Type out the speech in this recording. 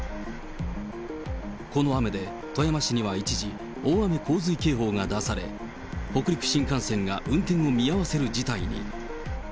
この雨で、富山市には一時、大雨洪水警報が出され、北陸新幹線が運転を見合わせる事態に。